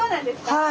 はい。